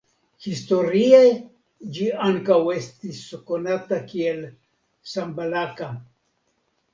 Historie ĝi ankaŭ estis konata kiel "Sambalaka".